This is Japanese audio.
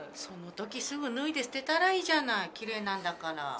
その時すぐ脱いで捨てたらいいじゃないきれいなんだから。